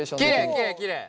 きれいきれい。